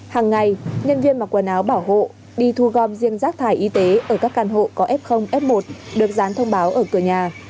hàng ngày nhân viên mặc quần áo bảo hộ đi thu gom riêng rác thải y tế ở các căn hộ có f f một được dán thông báo ở cửa nhà